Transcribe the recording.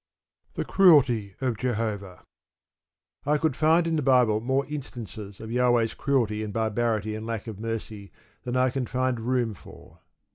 The Cruelty Of Jehovah I could find in the Bible more instances of Jahweh's cruelty and barbarity and lack of mercy than I can find room for.